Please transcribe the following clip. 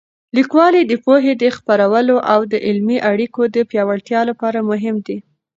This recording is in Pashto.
لیکوالی د پوهې د خپرولو او د علمي اړیکو د پیاوړتیا لپاره مهم دی.